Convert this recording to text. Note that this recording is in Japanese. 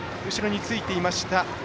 三浦の後ろについていました